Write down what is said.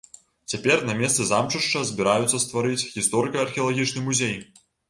Цяпер на месцы замчышча збіраюцца стварыць гісторыка-археалагічны музей.